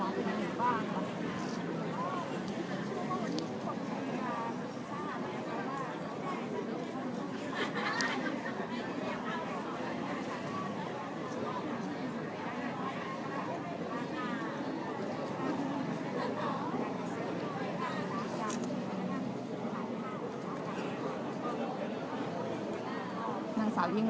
และที่อยู่ด้านหลังคุณยิ่งรักนะคะก็คือนางสาวคัตยาสวัสดีผลนะคะ